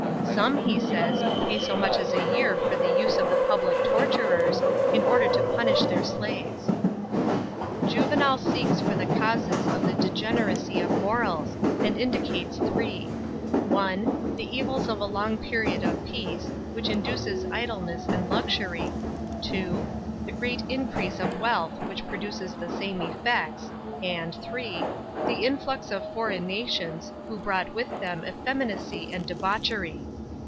Some, he says, pay so much a year for the use of the public torturers, in order to punish their slaves, f Juvenal seeks for the causes of the degeneracy of morals, and indicates three :% (1) the evils of a long period of peace, which induces idleness and luxury; (2) the great increase of wealth, which produces the same effects; and (3) the influx of foreign nations, who brought with them ( ffeminacy and debauchery.